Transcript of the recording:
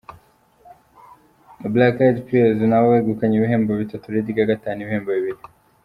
Black Eyed Peas nabo begukanye ibihembo bitatu, Lady Gaga atahana ibihembo bibiri.